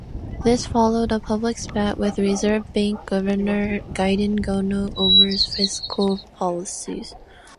This followed a public spat with Reserve bank Governor Gideon Gono over fiscal policies.